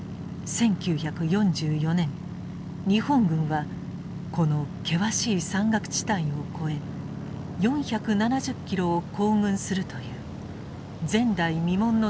１９４４年日本軍はこの険しい山岳地帯を越え４７０キロを行軍するという前代未聞の作戦を決行した。